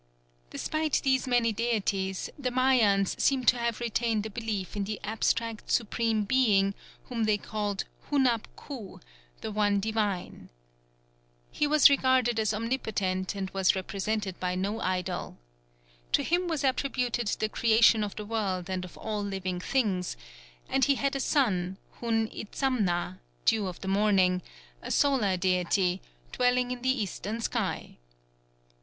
Despite these many deities, the Mayans seem to have retained a belief in an abstract Supreme Being whom they called Hunab Ku, "The One Divine." He was regarded as omnipotent and was represented by no idol. To him was attributed the creation of the world and of all living things; and he had a son, Hun Itzamna, "Dew of the morning," a Solar deity, dwelling in the Eastern sky.